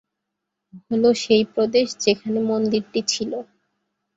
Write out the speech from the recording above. হল সেই প্রদেশ যেখানে মন্দিরটি ছিল।